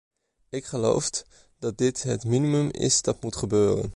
Ik gelooft dat dit het minimum is dat moet gebeuren.